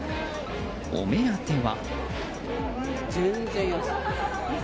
お目当ては。